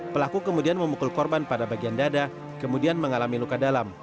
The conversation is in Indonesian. pelaku kemudian memukul korban pada bagian dada kemudian mengalami luka dalam